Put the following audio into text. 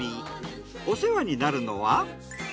お世話になるのは。